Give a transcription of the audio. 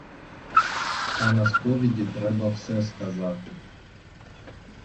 А на сповіді треба все сказати.